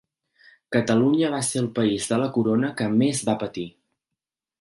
Catalunya va ser el país de la Corona que més va patir.